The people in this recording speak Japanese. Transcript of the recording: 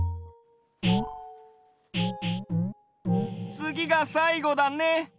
つぎがさいごだね。